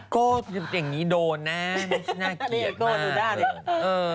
โก้อย่างนี้โดนนะน่าเกลียดมากเลย